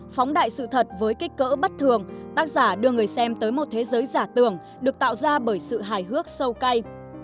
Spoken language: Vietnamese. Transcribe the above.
phóng đại sự thật với kích cỡ bất thường tác giả đưa người xem tới một thế giới giả tưởng được tạo ra bởi sự hài hước sâu cay